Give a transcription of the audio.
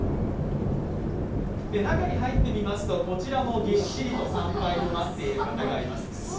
中に入ってみますと、こちらもぎっしりと参拝を待っている方がいます。